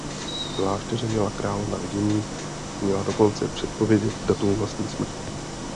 V klášteře měla královna vidění a měla dokonce předpovědět datum vlastní smrti.